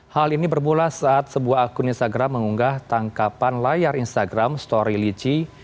hal ini bermula saat sebuah akun instagram mengunggah tangkapan layar instagram story lichi